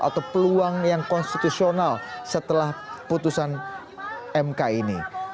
atau peluang yang konstitusional setelah putusan mk ini